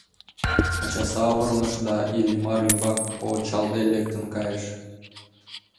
Ача савырныш да Иллимар ӱмбак ончалде лектын кайыш.